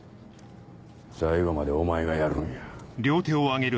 最後までお前がやるんや。